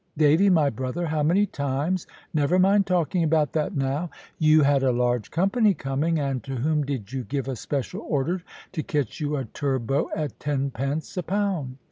"Davy, my brother, how many times never mind talking about that now." "You had a large company coming, and to whom did you give a special order to catch you a turbot at tenpence a pound?"